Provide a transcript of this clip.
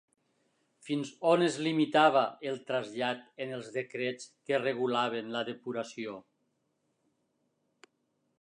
Fins on es limitava el trasllat en els decrets que regulaven la depuració?